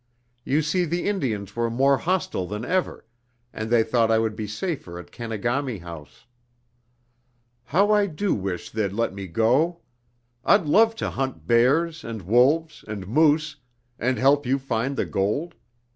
You see the Indians were more hostile than ever, and they thought I would be safer at Kenegami House. How I do wish they'd let me go! I'd love to hunt bears, and wolves, and moose, and help you find the gold.